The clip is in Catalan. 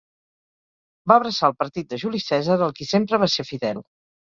Va abraçar el partit de Juli Cèsar al qui sempre va ser fidel.